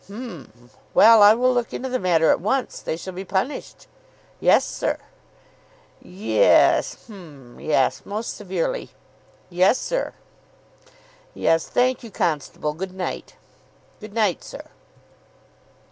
"H'm Well, I will look into the matter at once. They shall be punished." "Yes, sir." "Ye e s H'm Yes Most severely." "Yes, sir." "Yes Thank you, constable. Good night." "Good night, sir."